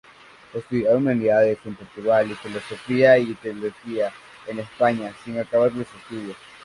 Estudió Humanidades en Portugal y Filosofía y Teología en España, sin acabar los estudios.